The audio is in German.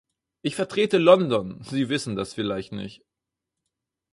Ich vertrete London Sie wissen das vielleicht nicht.